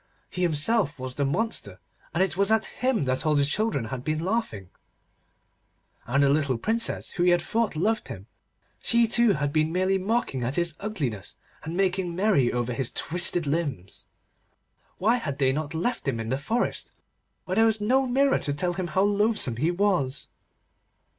He himself was the monster, and it was at him that all the children had been laughing, and the little Princess who he had thought loved him—she too had been merely mocking at his ugliness, and making merry over his twisted limbs. Why had they not left him in the forest, where there was no mirror to tell him how loathsome he was?